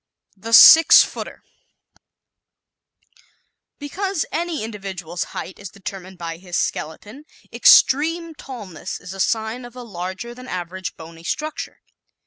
The "Six Footer" ¶ Because any individual's height is determined by his skeleton, extreme tallness is a sign of a larger than average bony structure.